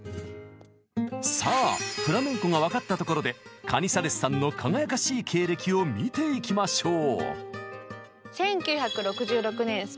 さあフラメンコが分かったところでカニサレスさんの輝かしい経歴を見ていきましょう！